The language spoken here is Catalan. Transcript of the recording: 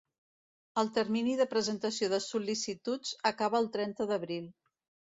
El termini de presentació de sol·licituds acaba el trenta d'abril.